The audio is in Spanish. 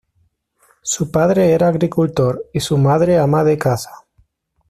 Su padre era agricultor y su madre ama de casa.